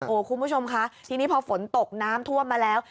คุณผู้ชมคะทีนี้พอฝนตกน้ำท่วมมาแล้ว